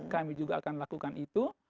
kami juga akan lakukan itu